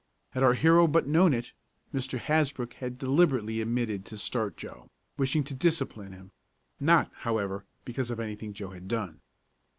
Had our hero but known it, Mr. Hasbrook had deliberately omitted to start Joe, wishing to discipline him, not, however, because of anything Joe had done.